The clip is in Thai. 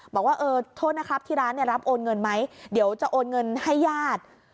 บอกว่าเออโทษนะครับที่ร้านเนี่ยรับโอนเงินไหมเดี๋ยวจะโอนเงินให้ญาติ